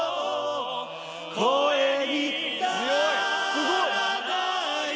・すごい！